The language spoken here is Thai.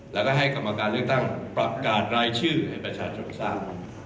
แล้วก็ให้กรรมการเลือกตั้งประกาศรายชื่อให้ประชาชนทราบ